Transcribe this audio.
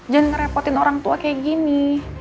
jangan ngerepotin orang tua kayak gini